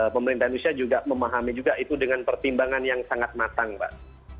pemerintah indonesia juga memahami juga itu dengan pertimbangan yang sangat matang mbak